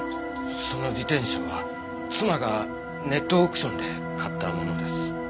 その自転車は妻がネットオークションで買ったものです。